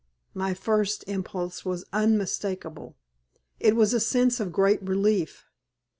My first impulse was unmistakable. It was a sense of great relief.